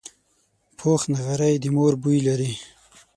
پوخ نغری د مور بوی لري